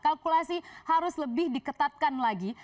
kalkulasi harus lebih diketatkan lagi